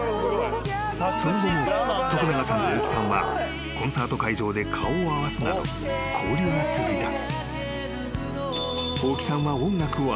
［その後も永さんと大木さんはコンサート会場で顔を合わすなど交流が続いた］